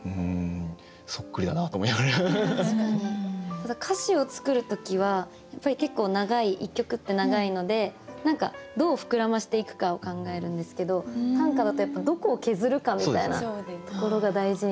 ただ歌詞を作る時はやっぱり結構長い一曲って長いので何かどうふくらませていくかを考えるんですけど短歌だとやっぱどこを削るかみたいなところが大事になる。